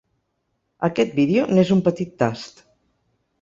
Aquest vídeo n’és un petit tast.